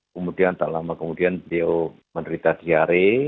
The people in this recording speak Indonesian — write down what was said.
kemudian tak lama kemudian beliau menderita diare